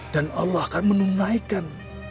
dan allah akan menunaikan